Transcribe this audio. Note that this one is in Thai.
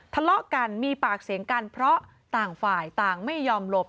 ทะเลาะกันมีปากเสียงกันเพราะต่างฝ่ายต่างไม่ยอมหลบ